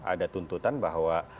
ada tuntutan bahwa